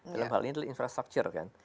dalam hal ini adalah infrastruktur kan